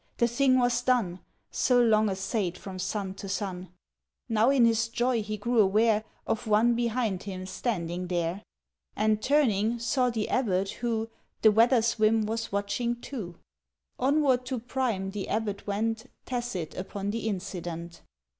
The thing was done So long assayed from sun to sun ... —Now in his joy he grew aware Of one behind him standing there, And, turning, saw the abbot, who The weather's whim was watching too. Onward to Prime the abbot went, Tacit upon the incident.